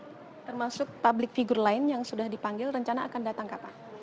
termasuk publik figur lain yang sudah dipanggil rencana akan datang ke apa